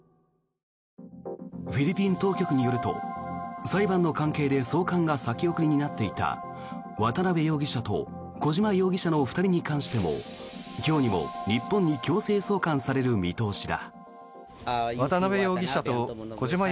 フィリピン当局によると裁判の関係で送還が先送りになっていた渡邉容疑者と小島容疑者の２人に関しても今日にも日本に強制送還される見通しだ。